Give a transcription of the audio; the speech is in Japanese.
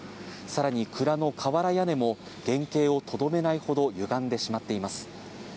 さらに、蔵の瓦屋根も原形をとどめないほどゆがんでしまっています。